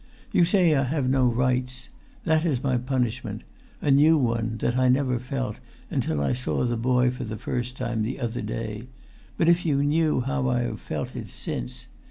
You say I have no rights. That is my punishment; a new one, that I never felt until I saw the boy for the first time the other day; but if you knew how I have felt it since!